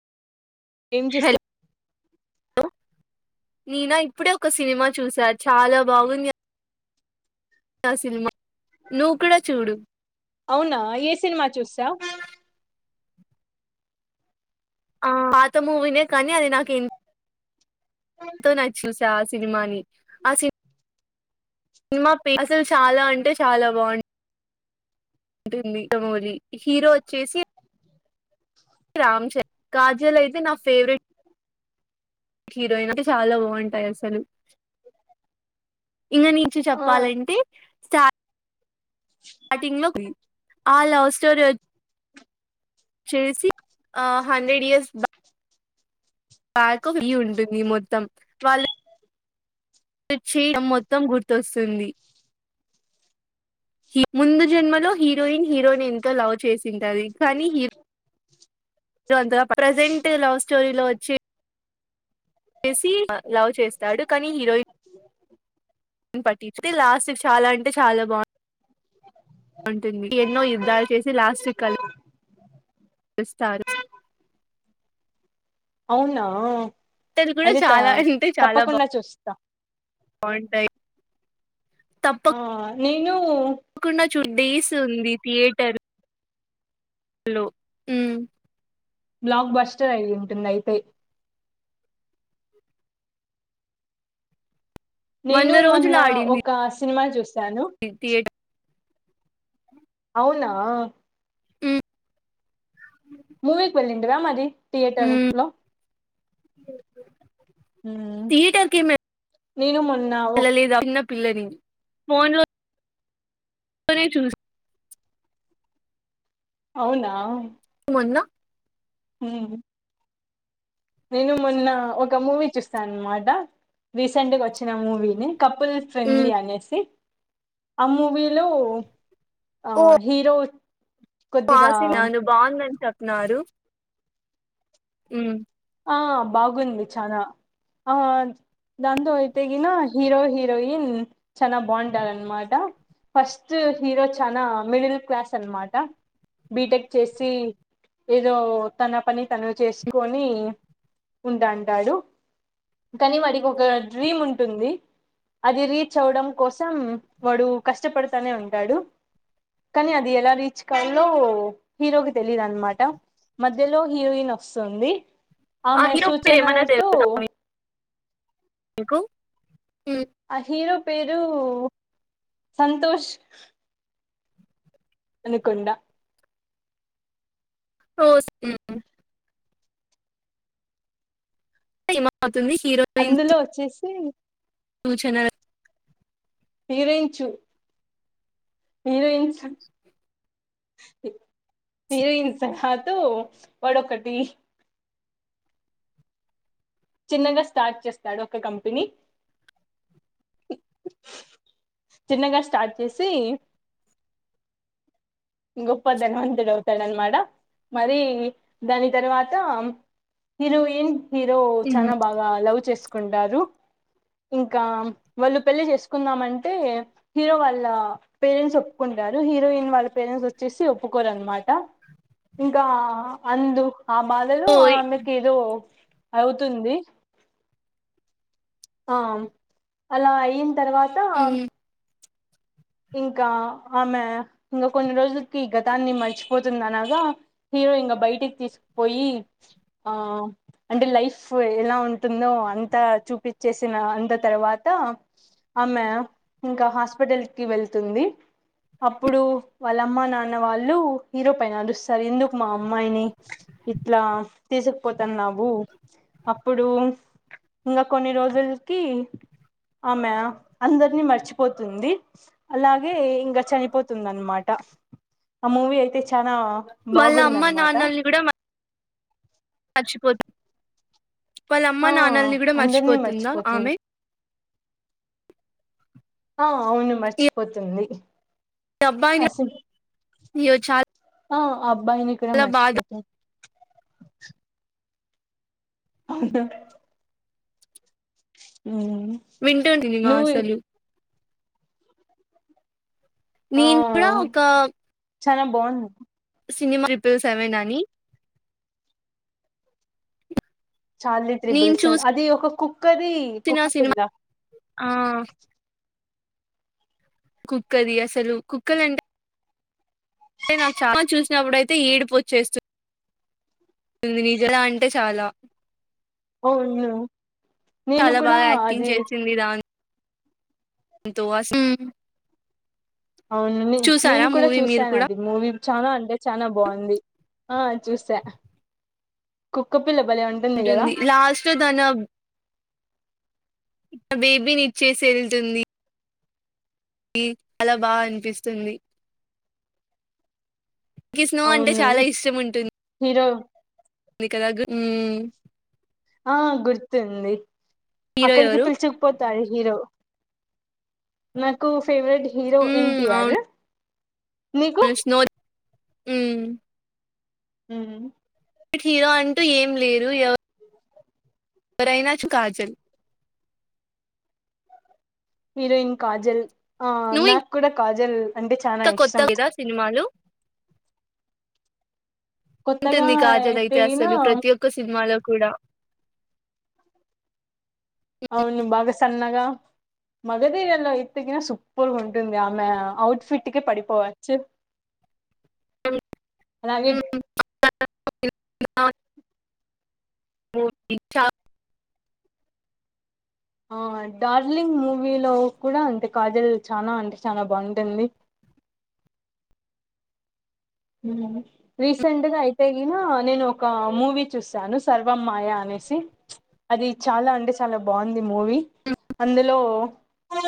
ఏం చేస్తు హలో నేనా ఇప్పుడే ఒక సినిమా చూసా చాలా బాగుంది ఆ సినిమా నువ్వు కూడ చూడు అవున ఏ సినిమా చూశావ్ ఆ పాత మూవీినె కానీ అది నాకేం ఎంతో నాక్ చూసా ఆ సినిమాని ఆ సిని సినిమా పేర్ అసల చాలా అంటే చాలా బాగుం టుంది మూవి హీరో వచ్చేసి రామ్ చ కాజల్ అయితే నా ఫేవరెట్ హీరోయిన్ ఐతే చాలా బాగుంటాయి అసలు ఇంగ నీచు చెప్పాలంటే స్టార్ స్టార్టింగ్ లో ఆ లవ్ స్టోరి వొ చేసి ఆ హండ్రెడ్ ఇయర్స్ బా బ్యాక్ లీవ్ ఉంటుంది మొత్తం వాళ్ళు చీ మొత్తం గుర్తొస్తుంది ముందు జన్మలో హీరోయిన్ హీరోని ఎంతో లవ్ చేసింటాది కానీ హీ ప్రజెంట్ లవ్ స్టోరీలో వచ్చి చేసి లవ్ చేస్తాడు కానీ హీరోయిన్ బట్ అయితే లాస్ట్ చాల అంటే చాలా బాగుంటంది ఉంటుంది ఎన్నో యుద్ధాల్ చేసి లాస్ట్క్ కల్పి స్టారు అవునా కూడా అయితే త చాలా అంటే తప్పకుండా చూస్తా బాంటయ్ తప్ప ఆ నేను [unintelligible] ఉంది థియేటర్ లో ఊ బ్లాక్ బస్టర్ అయ్యి ఉంటుంది అయితే నేను వంద రోజులు మొన్న ఆడింది ఒక సినిమా చూసాను థియేటర్ అవునా ఉమ్ మూవీకి వెళ్ళిండి మరి థియేటర్ ఉమ్ లో మ్మ్. థియేటర్ కేమి నేను మొన్ వెళ్ళలేదా ఉన్న పిల్లని ఫోన్ లోనే చూసి [unintelligible] అవునా కొన్న ఆ నేను మొన్న ఒక మూవీ చూస్తాను అనమాట రీసెంట్ గా వచ్చిన మూవీనె కపుల్ ఫ్రెండ్లీ మ్మ్ అనేసి ఆ మూవీలో ఆ హీరో ఆ కొద్దిగా సినా ను బాగుందని చెప్న్నారు ఉ ఆ బాగుంది చానా ఆన్ దాంతో అయితే గిన హీరో హీరోయిన్ చాన బాంటారు అనమాట ఫస్ట్ హీరో చానా మిడిల్ క్లాస్ అన్మాట బీటెక్ చేసి ఏదో తన పని తను చేసుకొని ఉంటాంటాడు కానీ వాడికి ఒక డ్రీమ్ ఉంటుంది అది రీచ్ అవడం కోసం వాడు కష్టపడతానే ఉంటాడు కానీ అది ఎలా రీచ్ కాలో హీరోకి తెలీదు అన్నమాట మధ్యలో హీరోయిన్ వస్తుంది ఆ ఆమె హీరో పేరు ఏమన్నా సూచనలతో తెలుసా మీకు మ్మ్ ఆ హీరో పేరు సంతోష్ అనుకండ ఓస్ ఏమ అవుతుంది హీరోయిన్ అందులో వచ్చేసి సూచన హీరోయిన్ చూ హీరోయిన్స్ హరోయిన్ సలహాతో వాడు ఒకటి చిన్నగా స్టార్ట్ చేస్తాడు ఒక కంపెనీ చిన్నగా స్టార్ట్ చేసి అ గొప్ప ధనవంతుడు అవుతాడు అనమాట. మరి దాని తర్వాత హీరోయిన్ హీరో చాన బాగా లవ్ చేసుకుంటారు. అ ఇంకా వాళ్ళు పెళ్లి చేసుకుందామంటే, హీరో వాళ్ళ పేరెంట్స్ ఒప్పుకుంటారు. హీరోయిన్ వాళ్ళ పేరెంట్స్ వచ్చేసి ఒప్పుకోరు అన్మాట. ఇంకా అందు ఆ బాధలో ఓయ్ ఆమెకి ఏదో అవుతుంది. ఆమ్ అలా అయిన తర్వాత మ్మ్ ఇంకా ఆమె ఇంగ కొన్ని రోజులకి గతాన్ని మర్చిపోతుంది అనగా హి హీరో ఇంగ బయటకి తీసుకుపోయి, ఆ అంటే లైఫ్ ఎలా ఉంటుందో అ అంత చూపించేసిన అంద తర్వాత, ఆమె ఇంక హాస్పిటల్ కి వెళ్తుంది. అప్పుడు వాళ్ళమ్మ, నాన్న వాళ్ళు హీరో పైన అరుస్తారు ఎందుకు మా అమ్మాయిని ఇట్లా తీసుకుపోతన్నావు అప్పుడు ఇంగ కొన్ని రోజుల్కి ఆమె అందర్నీ మర్చిపోతుంది. అలాగే ఇంగ చనిపోతుంది అన్మాట. ఆ మూవీ అయితే చానా వాళ్ళ అమ్మ బాగుందనమాట నాన్నల్ని చిపోత్ వాళ్ళ ఆ అమ్మనాన్నల్ని కూడా అందరినీ మర్చిపోతుందా మర్చిపోతుంది ఆమె? ఆ అవునూ మర్చిపోతుంది. ఇ అబ్బాయిన్ అసలు ఇయో చాల్ ఆ అబ్బాయిని కూడా మర్చిపోతద్ [unintelligible] ఉమ్ వింటుండిననా నువ్వు అసలు నేను కూడ ఒక ఆ చాన బావుంది సినిమా ట్రిపుల్ సెవెన్ అని చార్లీ ట్రిబుల్ నేను సెవెన్ అది ఒక కుక్ కది కుక్క చూసిన సినిమా పిల్ల ఆ కుక్కది అసలు కుక్కలంటే టె నాక్ చా మాలు చూసినప్పుడయితే ఏడిపోచ్చేస్తు ఉంది నిజ లా అంటే చాలా అవునూ నేను చాలా కూడా బాగా యాక్టింగ్ అది ఎంతో అసు ఉ అవును. నెన్ నేను కూడ మీరు చూసాను కూడా అది మూవీ చానా అంటే చాన బావుంది. ఆ చూసా. కుక్క పి పిల్ల బలే ఉంటుంది కదా. లాస్ట్ లో అ బేబీని ఇచ్చేసి ఎళ్తుంది. ఈ చాలా బా అనిపిస్తుంది. కిస్నో అంటే అవును చాలా ఇష్టం ఉంటు హీరో కదా గు ఉమ్ ఆ గుర్తుంది. హీరో అక్కడికి ఎవరు పిలచకపో తాడు హీరో. నాకు ఫేవరెట్ హీరో ఎన్టీఆర్. నీకు ఎస్నో ఉ హు కి హీరో అంటూ ఏం లేరు ఎవ రైన్ వచ్ కాజల్ హీరోయిన్ కాజల్. ఆ నువ్వు నాకు కూడా కాజల్ అంటే చానా ఇంకా కొత్త ఇష్టం. కదా సినిమాలు కొత్తగా ఉంటుంది కాజల్ అయితే, ఎదిగిన అసలు ప్రతి ఒక్క సినిమాలో కూడా. రా మగధర్ లో ఎత్తు గిన సూపర్ గా ఉంటుంది. ఆమె అవుట్ ఫిట్ కి పడిపోవచ్చు. [unintelligible] అలాగే [inaudible] ఓ, డి, చా ఓ ఆ డార్లింగ్ మూవీలో కూడా అంతే, కాజల్ చానా అంటే చానా బావుంటుంది. [unintelligible] ఉ రీసెంట్గా అయితే గిన, నేను ఒక మూవీ చూసాను. సర్వమ్ మాయా అని నేసి అది చాలా అంటే చాలా బాగుంది మూవీ. అందులో